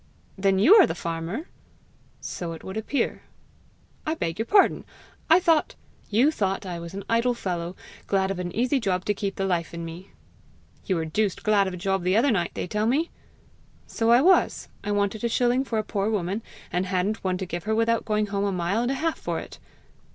'Then you are the farmer?' 'So it would appear.' 'I beg your pardon; I thought ' 'You thought I was an idle fellow, glad of an easy job to keep the life in me!' 'You were deuced glad of a job the other night, they tell me!' 'So I was. I wanted a shilling for a poor woman, and hadn't one to give her without going home a mile and a half for it!'